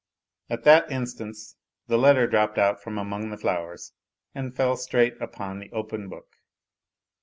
At that instant the letter dropped out from 256 A LITTLE HERO among the flowera and fell straight upon the open book.